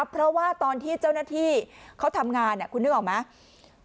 เพราะว่าตอนที่เจ้าหน้าที่เขาทำงานคุณนึกออกไหม